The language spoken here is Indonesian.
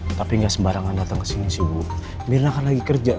hai bu tapi enggak sembarangan datang kesini sih bu mirna kan lagi kerja